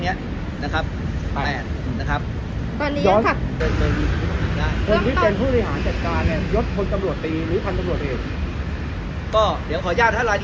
จ๊อคคนที่เป็นผู้รหารจัดการ